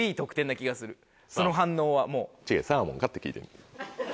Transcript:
違うサーモンか？って聞いてんねん。